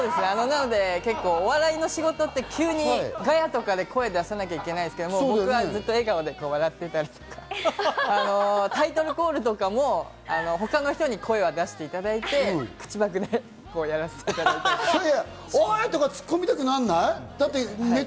お笑いの仕事って急にガヤとかで大声出さなきゃいけないんですけど、僕はずっと笑顔で笑っていたり、タイトルコールなども他の人に声は出していただいて、口パクでやらしていただいたり。